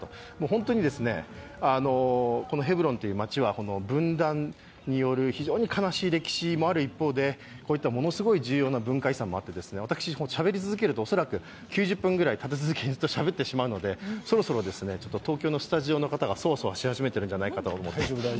本当に、ヘブロンという町は分断による非常に悲しい歴史もある一方でものすごい重要な文化遺産もあって私、しゃべり続けると恐らく９０分ぐらい立て続けにずっとしゃべってしまうので、そろそろ東京のスタジオの方がそわそわし始めているんじゃないかと思って。